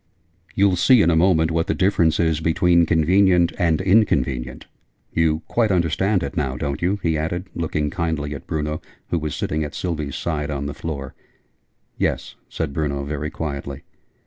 You'll see in a moment what the difference is between 'convenient' and 'inconvenient.' You quite understand it now, don't you?" he added, looking kindly at Bruno, who was sitting, at Sylvie's side, on the floor. "Yes," said Bruno, very quietly.